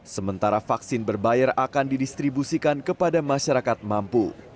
sementara vaksin berbayar akan didistribusikan kepada masyarakat mampu